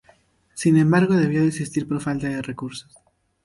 Sin embargo debió desistir por falta de recursos.